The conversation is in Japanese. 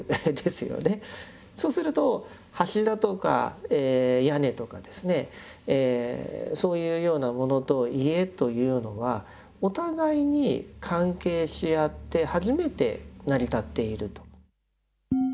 そうすると柱とか屋根とかですねそういうようなものと家というのはお互いに関係し合って初めて成り立っていると。